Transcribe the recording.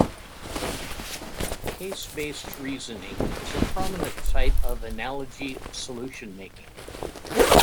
Case-based reasoning is a prominent type of analogy solution making.